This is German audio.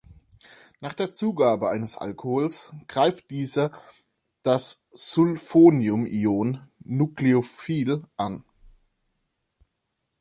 Nach der Zugabe eines Alkohols greift dieser das Sulfonium-Ion nucleophil an.